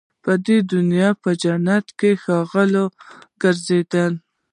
پر دې دنیا په جنتونو کي ښاغلي ګرځي